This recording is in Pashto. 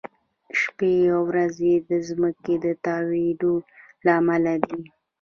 شپې او ورځې د ځمکې د تاوېدو له امله دي.